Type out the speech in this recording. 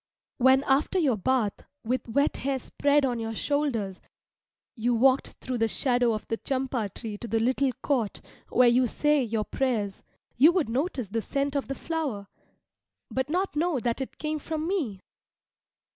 When after your bath, with wet hair spread on your shoulders, you walked through the shadow of the champa tree to the little court where you say your prayers, you would notice the scent of the flower, but not know that it came from me.